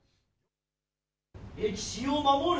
歴史を守る